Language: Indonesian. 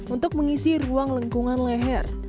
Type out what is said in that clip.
untuk mengisi ruang lengkungan leher